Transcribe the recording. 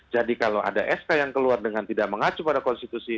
jadi kalau ada sk yang keluar dengan tidak mengacu pada konstitusi